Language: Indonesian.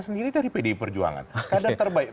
sendiri dari pdi perjuangan kader terbaik